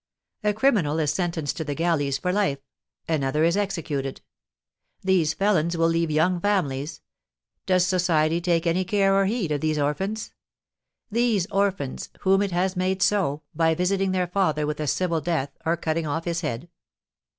A criminal is sentenced to the galleys for life; another is executed. These felons will leave young families; does society take any care or heed of these orphans, these orphans, whom it has made so, by visiting their father with a civil death, or cutting off his head?